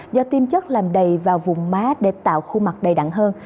do tiêm chất làm đầy vào vùng má để tạo khuôn mặt đầy đặn hơn